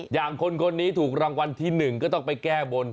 อย่างคนนี้ถูกรางวัลที่๑ก็ต้องไปแก้บน